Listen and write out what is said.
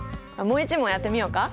もう一問やってみようか。